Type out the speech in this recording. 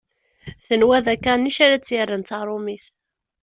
Tenwa d akanic ara tt-yerren d taṛumit.